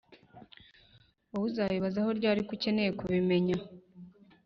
wowe uzabibazaho ryari ko ukeneye kubimenya